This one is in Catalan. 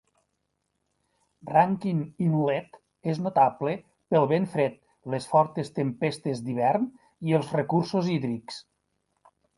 Rankin Inlet és notable pel vent fred, les fortes tempestes d'hivern i els recursos hídrics.